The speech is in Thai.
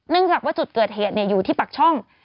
จากว่าจุดเกิดเหตุอยู่ที่ปากช่อง